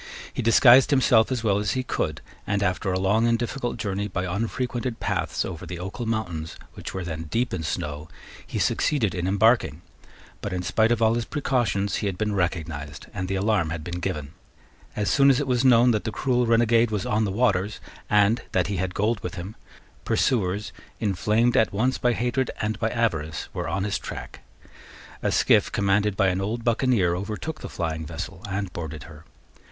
He disguised himself as well as he could, and, after a long and difficult journey by unfrequented paths over the Ochill mountains, which were then deep in snow, he succeeded in embarking: but, in spite of all his precautions, he had been recognised, and the alarm had been given. As soon as it was known that the cruel renegade was on the waters, and that he had gold with him, pursuers, inflamed at once by hatred and by avarice, were on his track, A skiff, commanded by an old buccaneer, overtook the flying vessel and boarded her.